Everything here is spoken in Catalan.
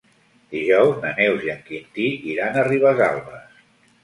Dijous na Neus i en Quintí iran a Ribesalbes.